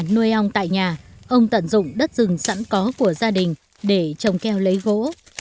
nuôi ong tại nhà ông tận dụng đất rừng sẵn có của gia đình để trồng keo lấy gỗ